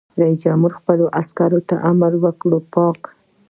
رئیس جمهور خپلو عسکرو ته امر وکړ؛ پاک!